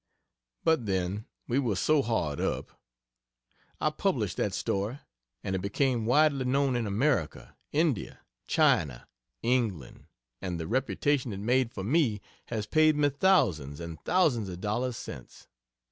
But then we were so hard up! I published that story, and it became widely known in America, India, China, England and the reputation it made for me has paid me thousands and thousands of dollars since.